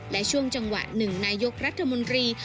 และช่วงจังหวะหนึ่งนายกรัฐมนตรี